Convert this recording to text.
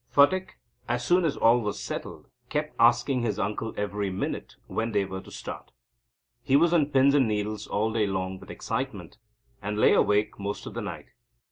Phatik, as soon as all was settled, kept asking his uncle every minute when they were to start. He was on pins and needles all day long with excitement, and lay awake most of the night.